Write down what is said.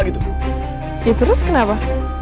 ya terus kenapa